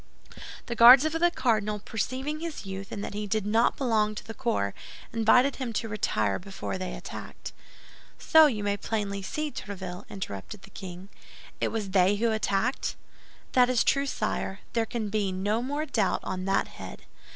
The Guards of the cardinal, perceiving his youth and that he did not belong to the corps, invited him to retire before they attacked." "So you may plainly see, Tréville," interrupted the king, "it was they who attacked?" "That is true, sire; there can be no more doubt on that head.